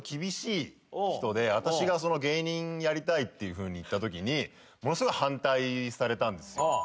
私が「芸人やりたい」っていうふうに言ったときにものすごい反対されたんですよ。